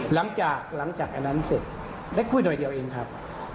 หลังจากหลังจากอันนั้นเสร็จได้คุยโดยเดียวเองครับ